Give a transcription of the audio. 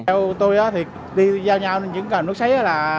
theo tôi thì đi giao nhau những cái nước sấy đó là